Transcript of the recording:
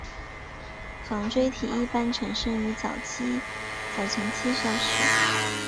纺锤体一般产生于早前期消失。